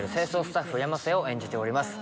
スタッフ山瀬を演じております。